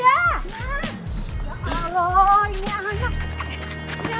ya allah ini anak